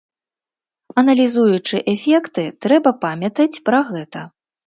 Аналізуючы эфекты, трэба памятаць пра гэта.